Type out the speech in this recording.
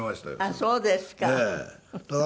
あっそうですか。